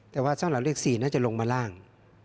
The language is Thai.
แต่ว่าสำหรับเลข๔น่าจะลงมาล่าง